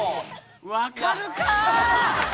わかるか！